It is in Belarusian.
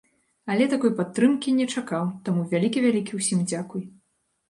Але такой падтрымкі не чакаў, таму вялікі-вялікі усім дзякуй.